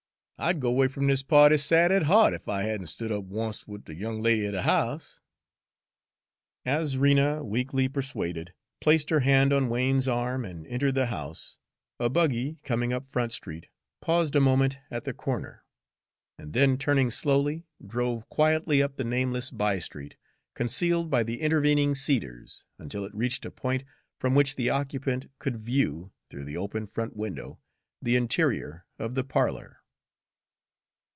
I'd go 'way f'm dis pa'ty sad at hea't ef I had n' stood up oncet wid de young lady er de house." As Rena, weakly persuaded, placed her hand on Wain's arm and entered the house, a buggy, coming up Front Street, paused a moment at the corner, and then turning slowly, drove quietly up the nameless by street, concealed by the intervening cedars, until it reached a point from which the occupant could view, through the open front window, the interior of the parlor.